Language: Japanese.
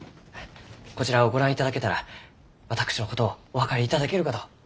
こちらをご覧いただけたら私のことをお分かりいただけるかと。